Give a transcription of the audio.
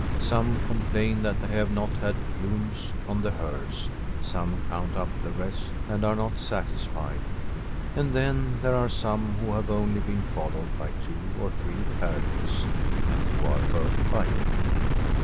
Some complain that they have not had plumes on the hearse; some count up the wreaths, and are not satisfied ; and then there are some who have only been followed by two or three carriages, and who are hurt by it.